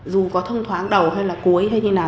dù có thông thoáng đầu hay là cuối hay như nào